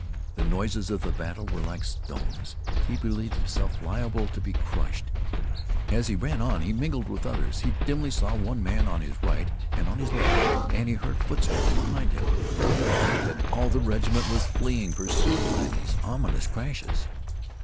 The noises of the battle were like stones; he believed himself liable to be crushed. As he ran he mingled with others. He dimly saw men on his right and on his left, and he heard footsteps behind him. He thought that all the regiment was fleeing, pursued by these ominous crashes.